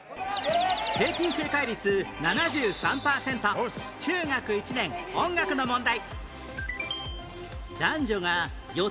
平均正解率７３パーセント中学１年音楽の問題